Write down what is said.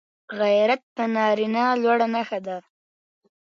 غیرت د نارینه لوړه نښه ده